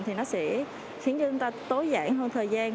thì nó sẽ khiến cho chúng ta tối giản hơn thời gian